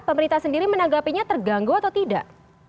pemerintah sendiri menanggapinya terganggu atau tidak